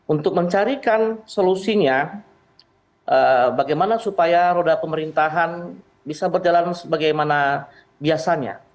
untuk mencarikan solusinya bagaimana supaya roda pemerintahan bisa berjalan sebagaimana biasanya